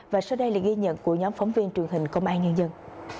và sau đây là ghi nhận của nhóm phóng viên truyền hình công an nhân dân